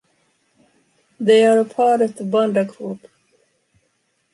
They are a part of the Banda group.